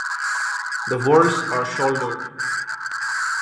The whorls are shouldered.